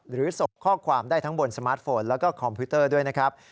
ส่งข้อความได้ทั้งบนสมาร์ทโฟนแล้วก็คอมพิวเตอร์ด้วยนะครับ